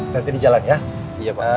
kita di jalan ya